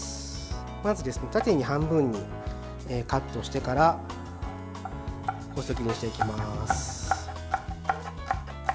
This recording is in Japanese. まず、縦に半分にカットしてから細切りにしていきます。